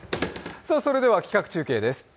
それでは企画中継です。